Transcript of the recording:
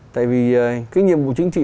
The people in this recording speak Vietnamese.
tại vì cái nhiệm vụ chính trị